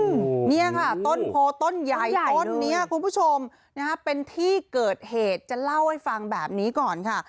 อืมเนี่ยค่ะต้นโพต้นใหญ่ต้นนี้คุณผู้ชมนะฮะเป็นที่เกิดเหตุจะเล่าให้ฟังแบบนี้ก่อนค่ะ